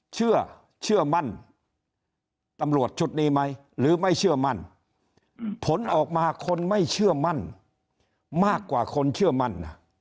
เชื่อเชื่อมั่นตำรวจชุดนี้ไหมหรือไม่เชื่อมั่นผลออกมาคนไม่เชื่อมั่นมากกว่าคนเชื่อมั่น